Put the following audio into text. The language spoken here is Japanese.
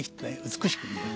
美しく見える。